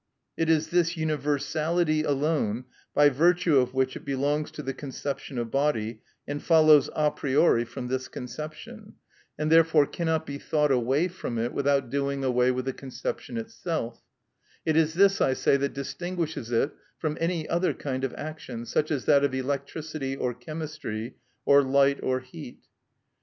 It is this universality alone, by virtue of which it belongs to the conception of body, and follows a priori from this conception, and therefore cannot be thought away from it without doing away with the conception itself—it is this, I say, that distinguishes it from any other kind of action, such as that of electricity or chemistry, or light or heat.